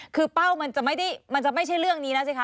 คือเป้ามันจะไม่ได้มันจะไม่ใช่เรื่องนี้นะสิคะ